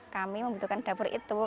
kami membutuhkan dapur itu